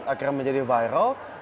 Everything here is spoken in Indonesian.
akhirnya menjadi viral